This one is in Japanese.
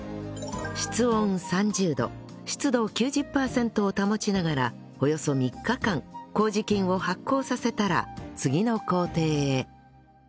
室温３０度湿度９０パーセントを保ちながらおよそ３日間麹菌を発酵させたら次の工程へ